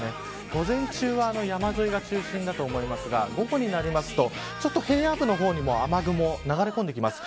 午前中は山沿いが中心だと思いますが午後になると平野部の方にも雨雲流れ込んできます。